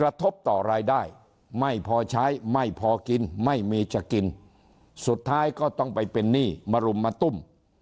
กระทบต่อรายได้ไม่พอใช้ไม่พอกินไม่มีจะกินสุดท้ายก็ต้องไปเป็นหนี้มารุมมาตุ้ม